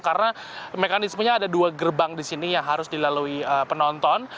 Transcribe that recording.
karena mekanismenya ada dua gerbang di sini yang harus dilalui penonton